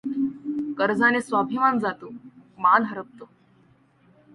कर्जाने स्वाभिमान जातो, मान हरपतो.